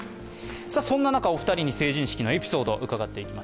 そんな中、お二人に成人式のエピソードを伺っていきます。